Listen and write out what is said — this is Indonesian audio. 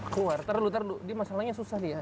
keluar tar dulu tar dulu masalahnya susah dia